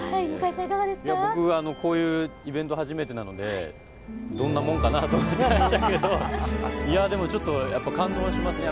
僕、こういうイベント初めてなので、どんなもんかなと思ってましたけどでも感動しますね。